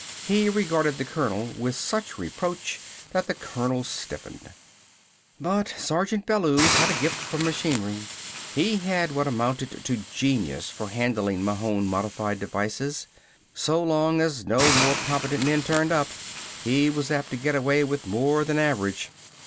He regarded the colonel with such reproach that the colonel stiffened. But Sergeant Bellews had a gift for machinery. He had what amounted to genius for handling Mahon modified devices. So long as no more competent men turned up, he was apt to get away with more than average.